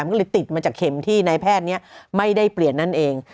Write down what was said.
มันก็เลยติดมาจากเข็มที่นายแพทย์นี้ไม่ได้เปลี่ยนนั่นเอง